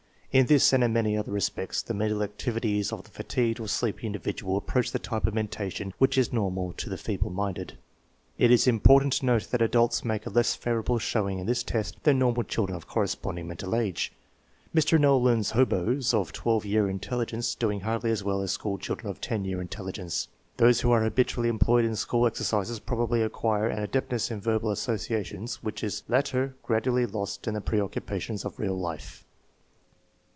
In this and in manyjother respects the mental activities of the fatigued or 'sleepy in dividual approach the type of mentation which is normal to the feeble minded. It is important to note that adults make a less favorable showing in this test than normal children of corresponding mental age, Mr. Knollin's " hoboes " of 12 year intelli gence doing hardly as well as school children of 10 year intelligence. Those who are habitually employed in school TEST NO. IX, ALTERNATIVE 1 51 exercises probably acquire an adeptness in verbal associa tions which is later gradually lost in the preoccupations of real life.